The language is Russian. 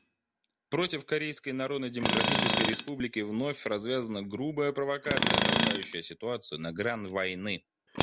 Против Корейской Народно-Демократической Республики вновь развязана грубая провокация, толкающая ситуацию на грань войны.